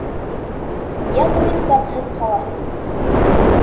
Йә муйынсаҡһыҙ ҡалаһың!